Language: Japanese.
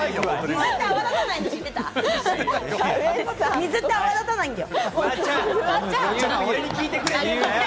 水って泡立たないんだよ。